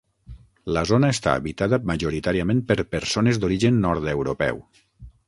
La zona està habitada majoritàriament per persones d'origen nord-europeu.